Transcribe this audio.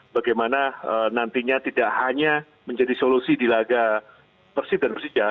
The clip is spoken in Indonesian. bagaimana nantinya tidak hanya menjadi solusi di laga persib dan persija